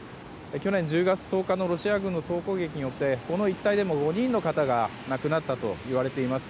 去年１０月１０日のロシア軍の総攻撃によってこの一帯でも５人の方が亡くなったといわれています。